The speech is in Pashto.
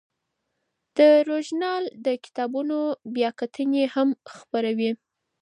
دا ژورنال د کتابونو بیاکتنې هم خپروي.